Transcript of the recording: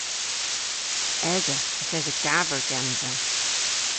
Esa. Yth esa gaver gansa.